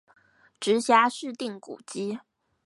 直轄市定古蹟